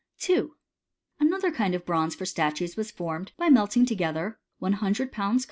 Another kind of bronze for statues was formed, by melting together lOOlbs.